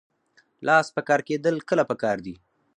لاس په کار کیدل کله پکار دي؟